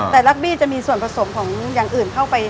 แต่ลักบี้จะมีส่วนผสมของอย่างอื่นเข้าไป